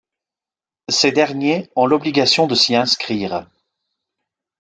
Ces derniers ont l'obligation de s'y inscrire.